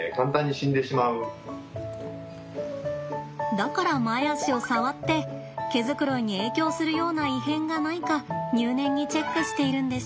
だから前足を触って毛づくろいに影響するような異変がないか入念にチェックしているんです。